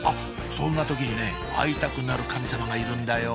そんな時にね会いたくなる神様がいるんだよ